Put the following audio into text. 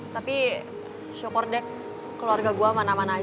tapi syukur deck keluarga gue mana mana aja